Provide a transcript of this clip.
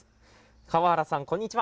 川原さんこんにちは。